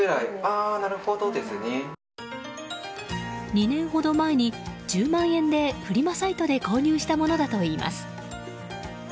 ２年ほど前に１０万円で、フリマサイトで購入したものだといいます。